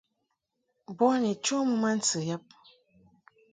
Boni cho mɨ ma ntɨ yab.